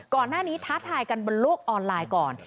ก่อนหน้านี้ท้าทายกันบนโลกออนไลน์ก่อน